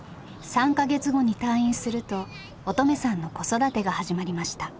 ３か月後に退院すると音十愛さんの子育てが始まりました。